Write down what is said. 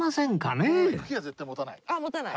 茎は絶対持たない。